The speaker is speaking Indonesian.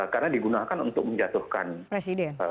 karena digunakan untuk menjatuhkan presiden